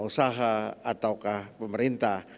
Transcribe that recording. usaha ataukah pemerintah